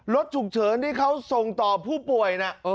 รถฉุกเฉินที่เขาส่งต่อผู้ป่วยนะ